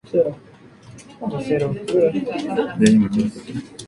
Cam los describe como el peor tipo de ángel.